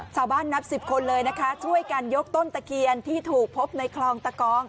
นับสิบคนเลยนะคะช่วยกันยกต้นตะเคียนที่ถูกพบในคลองตะกอง